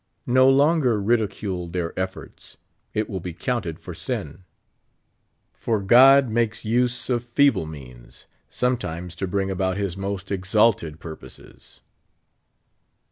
No longer ridicule their efforts, it will be counted for sin. For God makes use of feeble means sometimes to bring alx>nt his most ex&lied purposes.